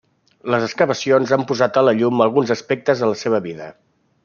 Les excavacions han posat a la llum alguns aspectes de la seva vida.